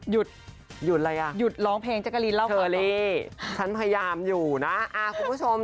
ยุดอะไรคะเธอเลยฉันพยายามอยู่นะคุณผู้ชม